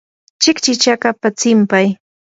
kichki chakapa tsinpay.